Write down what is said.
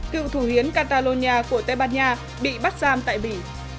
cựu thủ hiến catalonia của tây ban nha bị bắt giam tại bỉ